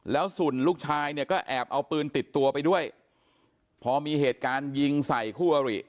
แล้วส่วนลูกชายเนี่ยก็แอบเอาปืนติดตัวไปด้วยพอมีเหตุการณ์ยิงใส่คู่อริ